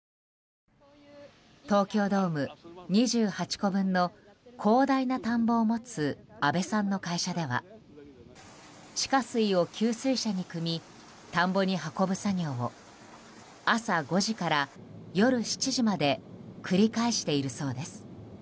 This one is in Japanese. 東京ドーム２８個分の広大な田んぼを持つ阿部さんの会社では地下水を給水車にくみ田んぼに運ぶ作業を朝５時から夜７時まで繰り返しているそうです。